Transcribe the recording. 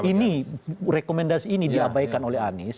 ini rekomendasi ini diabaikan oleh anies